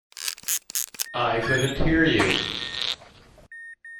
I couldn't hear you.